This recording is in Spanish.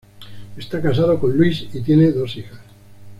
Está casado con Louise y tiene dos hijas.